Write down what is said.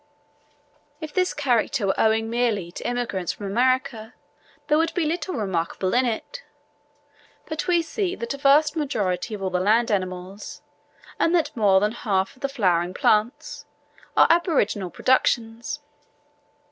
If this character were owing merely to immigrants from America, there would be little remarkable in it; but we see that a vast majority of all the land animals, and that more than half of the flowering plants, are aboriginal productions.